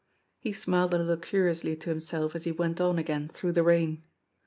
He smiled a little curiously to himself as he went on again through the rain.